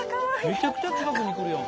めちゃくちゃ近くに来るやん。